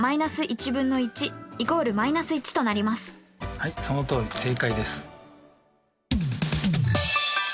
はいそのとおり正解です。